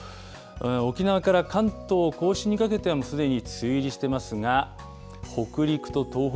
沖縄から関東甲信にかけてはすでに梅雨入りしていますが、北陸と東北